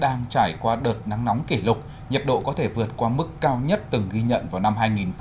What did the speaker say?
đang trải qua đợt nắng nóng kỷ lục nhiệt độ có thể vượt qua mức cao nhất từng ghi nhận vào năm hai nghìn hai mươi